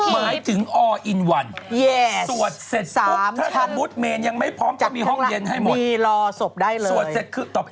มันคือ